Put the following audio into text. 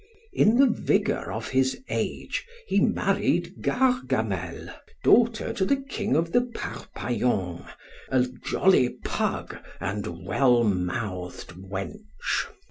In the vigour of his age he married Gargamelle, daughter to the King of the Parpaillons, a jolly pug, and well mouthed wench.